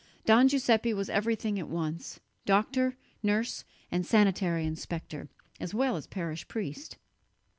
Don Giuseppe was everything at once: doctor, nurse and sanitary inspector, as well as parish priest.